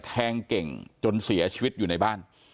แทงเก่งจนเสียชีวิตอยู่ในบ้าน